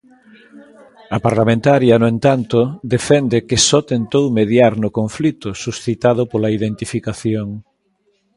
A parlamentaria, no entanto, defende que só tentou "mediar no conflito suscitado pola identificación".